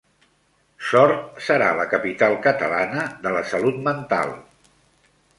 Sort serà la capital catalana de la salut mental.